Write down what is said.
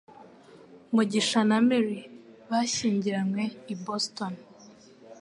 mugisha na Mary bashyingiranywe i Boston